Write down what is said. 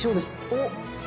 おっ！